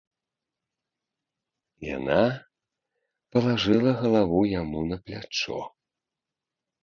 Яна палажыла галаву яму на плячо.